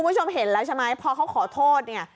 คุณผู้ชมเห็นแล้วใช่ไหมพอเขาขอโทษเนี่ย